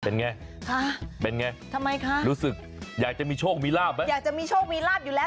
เป็นไงค่ะเป็นไงทำไมคะรู้สึกอยากจะมีโชคมีลาบไหมอยากจะมีโชคมีลาบอยู่แล้ว